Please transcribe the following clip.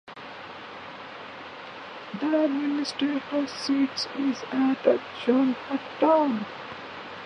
The administrative seat is at Jorhat town.